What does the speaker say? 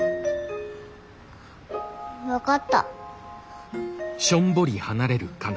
分かった。